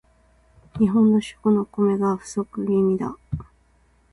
日本の主食のお米が不足気味だ